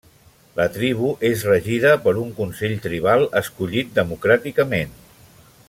La tribu és regida per un consell tribal escollit democràticament.